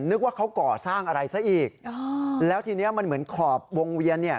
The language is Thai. นึกว่าเขาก่อสร้างอะไรซะอีกแล้วทีนี้มันเหมือนขอบวงเวียนเนี่ย